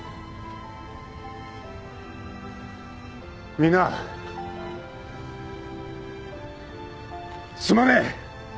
みんなすまねえ！